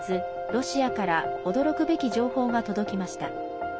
ロシアから驚くべき情報が届きました。